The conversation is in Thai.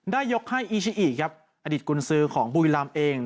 ได้ยกให้อีชิอีอดิตกุญซือของบุรีลำเอง